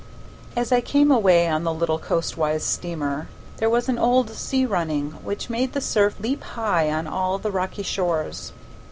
As I came away on the little coastwise steamer, there was an old sea running which made the surf leap high on all the rocky shores.